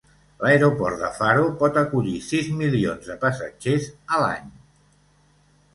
L'aeroport de Faro pot acollir sis milions de passatgers a l'any.